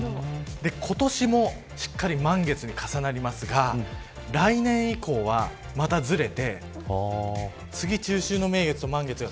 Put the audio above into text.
今年もしっかり満月に重なりますが来年以降は、またずれて次に中秋の名月と満月が